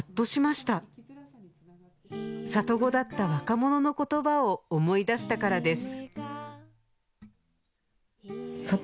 里子だった若者の言葉を思い出したからです